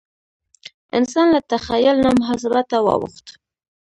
انسان له تخیل نه محاسبه ته واوښت.